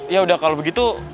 ya udah kalau begitu